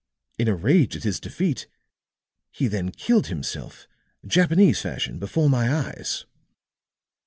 In a rage at his defeat he then killed himself, Japanese fashion, before my eyes.